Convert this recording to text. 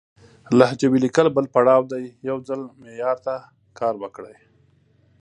لهجوي ليکل بل پړاو دی، يو ځل معيار ته کار وکړئ!